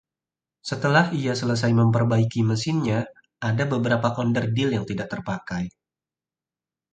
Setelah ia selesai memperbaiki mesinnya, ada beberapa onderdil yang tidak terpakai.